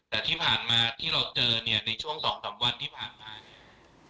แต่ที่ผ่านมาที่เราเจอเนี่ยในช่วง๒๓วันที่ผ่านมาเนี่ย